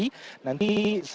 nanti saya akan tanya kepada saya